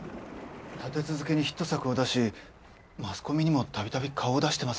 立て続けにヒット作を出しマスコミにもたびたび顔を出してますが。